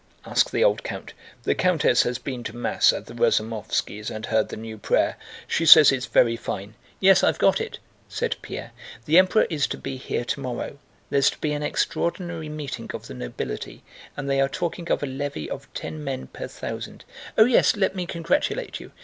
asked the old count. "The countess has been to Mass at the Razumóvskis' and heard the new prayer. She says it's very fine." "Yes, I've got it," said Pierre. "The Emperor is to be here tomorrow... there's to be an Extraordinary Meeting of the nobility, and they are talking of a levy of ten men per thousand. Oh yes, let me congratulate you!"